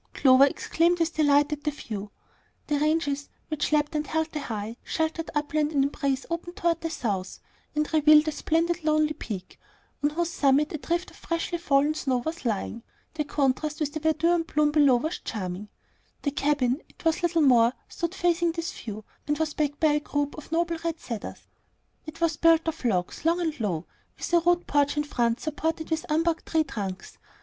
Clover exclaimed with delight at the view. The ranges which lapped and held the high, sheltered upland in embrace opened toward the south, and revealed a splendid lonely peak, on whose summit a drift of freshly fallen snow was lying. The contrast with the verdure and bloom below was charming. The cabin it was little more stood facing this view, and was backed by a group of noble red cedars. It was built of logs, long and low, with a rude porch in front supported on unbarked tree trunks.